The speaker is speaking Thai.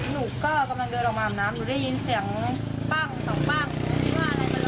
หนูก็กำลังเดินออกมาอาบน้ำหนูได้ยินเสียงปั้งสองปั้งคิดว่าอะไรมาเลย